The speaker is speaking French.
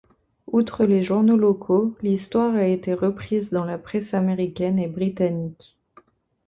Outre les journaux locaux, l'histoire a été reprise dans la presse américaine et britannique.